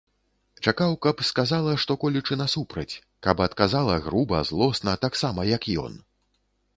Чакаў, каб сказала што-колечы насупраць, каб адказала груба, злосна, таксама, як ён.